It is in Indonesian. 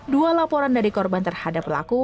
dua laporan dari korban terhadap pelaku